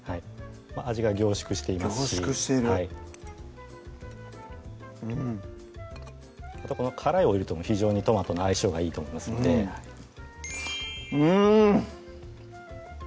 味が凝縮していますし凝縮してるうんこの辛いオイルとも非常にトマトの相性がいいと思いますのでうん！